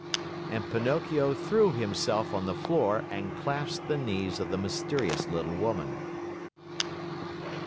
And Pinocchio threw himself on the floor and clasped the knees of the mysterious little woman.